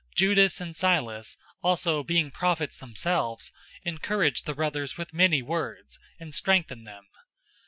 015:032 Judas and Silas, also being prophets themselves, encouraged the brothers with many words, and strengthened them.